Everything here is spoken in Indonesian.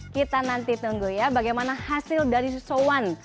kita nanti tunggu ya bagaimana hasil dari soan